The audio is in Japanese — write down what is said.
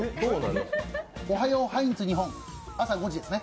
おはようハインツ日本朝５時ですね。